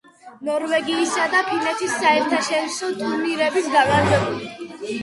ნორვეგიისა და ფინეთის საერთაშორისო ტურნირების გამარჯვებული.